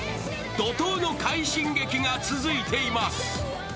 怒とうの快進撃が続いています。